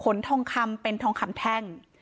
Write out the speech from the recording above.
ทองคำเป็นทองคำแท่ง